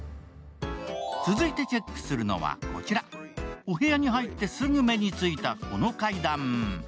続いてチェックするのはこちら、お部屋に入ってすぐ目についたこの階段。